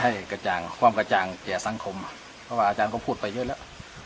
ให้กระจ่างความกระจ่างแก่สังคมเพราะว่าอาจารย์ก็พูดไปเยอะแล้ว